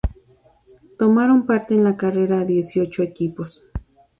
Tomaron parte en la carrera dieciocho equipos.